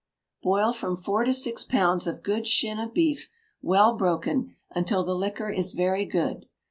Boil from four to six pounds of good shin of beef well broken, until the liquor is very good.